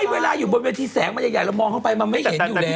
เวลาอยู่บนพื้นที่แสงมายายอย่างใหญ่แล้วมองเข้าไปมันไม่เห็นอยู่แล้ว